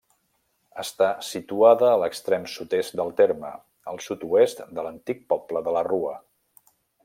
Està situada a l'extrem sud-est del terme, al sud-oest de l'antic poble de la Rua.